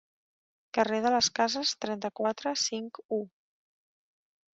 Carrer de les Cases, trenta-quatre, cinc-u.